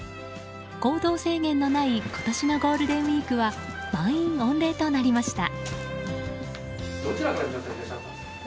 行動制限のない今年のゴールデンウィークは満員御礼となりました。